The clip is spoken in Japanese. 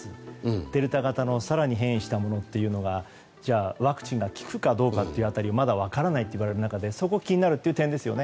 デルタ型の更に変異したものというのがワクチンが効くかどうかという辺りまだ分からないといわれる中でそこが気になる点ですよね。